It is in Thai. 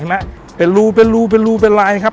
เห็นไหมเป็นรูเป็นลายครับ